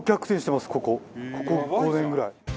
ここここ５年ぐらい。